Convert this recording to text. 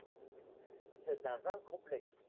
C'est un vin complexe.